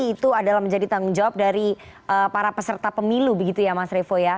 itu adalah menjadi tanggung jawab dari para peserta pemilu begitu ya mas revo ya